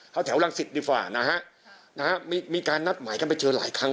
เอาแถวรังสิตดีกว่านะฮะมีการนัดหมายกันไปเจอหลายครั้ง